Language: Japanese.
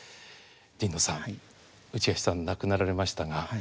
神野さん内橋さん亡くなられましたが。